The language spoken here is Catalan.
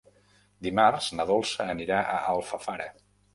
Dimarts na Dolça anirà a Alfafara.